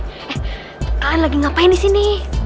eh kalian lagi ngapain disini